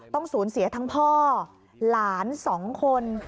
ต้องสูญเสียทั้งพ่อหลาน๒คน